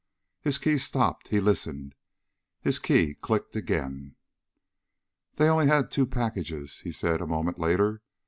His key stopped. He listened. His key clicked again. "They only had two packages," he said a moment later.